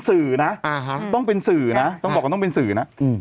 สื่อนะต้องเป็นสื่อนะต้องบอกว่าต้องเป็นสื่อนะอืม